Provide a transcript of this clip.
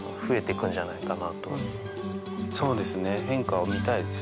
そうですね。